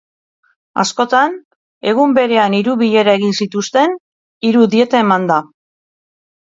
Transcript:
Askotan, egun berean hiru bilera egin zituzten, hiru dieta emanda.